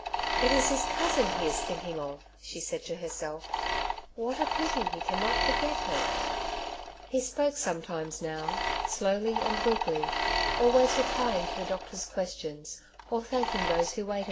'^ It is his covudn he is thinking of," nhe said to hersdf ;'' what a pity he cannot forg^ her !" He spoke sometiniies now, slowly and weakly, always replying t/> the d^xrtor'g qaestions, or thaLk ing those who waiu?